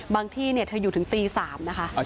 ที่เธออยู่ถึงตี๓นะคะ